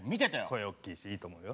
声大きいしいいと思うよ。